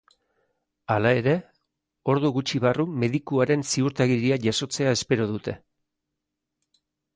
Hala ere, ordu gutxi barru medikuaren ziurtagiria jasotzea espero dute.